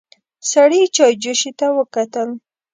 سړي چايجوشې ته وکتل.